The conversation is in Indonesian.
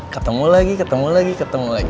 ketemu lagi ketemu lagi ketemu lagi